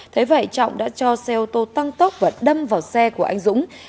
thế vậy trọng đã cho xe ô tô tăng tốc và đâm vào xe của anh dũng